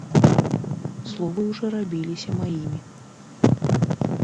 Словы ўжо рабіліся маімі.